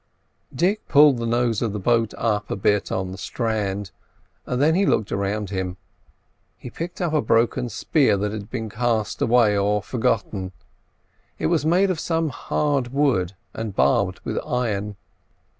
Dick pulled the nose of the boat up a bit on the strand, then he looked around him. He picked up a broken spear that had been cast away or forgotten; it was made of some hard wood and barbed with iron.